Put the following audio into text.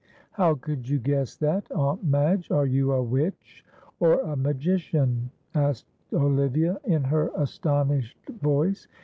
"How could you guess that, Aunt Madge? Are you a witch or a magician?" asked Olivia, in her astonished voice.